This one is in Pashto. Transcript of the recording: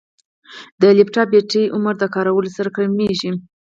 د لپټاپ بیټرۍ عمر د کارولو سره کمېږي.